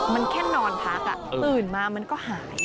มันแค่นอนพักตื่นมามันก็หาย